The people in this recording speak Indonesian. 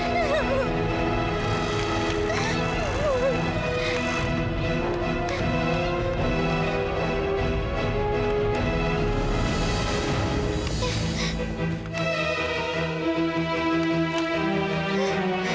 yalah ini dosa rusak